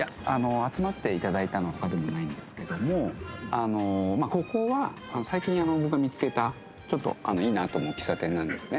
集まって頂いたのは他でもないんですけどもここは最近僕が見つけたちょっといいなと思う喫茶店なんですね。